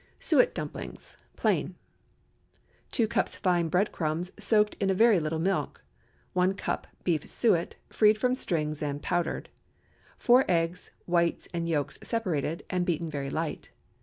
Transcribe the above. SUET DUMPLINGS (plain.) 2 cups fine bread crumbs, soaked in a very little milk. 1 cup beef suet, freed from strings, and powdered. 4 eggs, whites and yolks separated, and beaten very light.